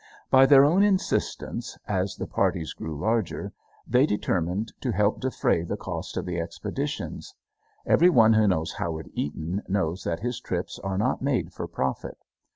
By their own insistence, as the parties grew larger, they determined to help defray the cost of the expeditions. Every one who knows Howard Eaton knows that his trips are not made for profit.